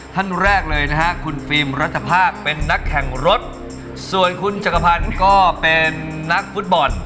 ท่านแรกเลยนะฮะคุณฟิล์มรัฐภาพเป็นนักแข่งรถส่วนคุณจักรพันธ์ก็เป็นนักฟุตบอล